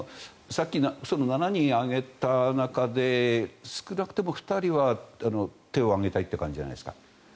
さっき７人挙げた中で少なくとも２人は手を挙げたいという感じじゃないですか。